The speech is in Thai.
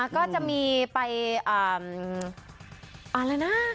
ก็จะมีไปอะไรนะ